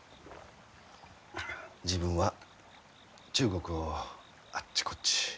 自分は中国をあっちこっち。